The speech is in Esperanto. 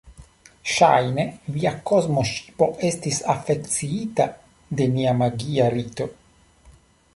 Ŝajne, via kosmoŝipo estis afekciita de nia magia rito.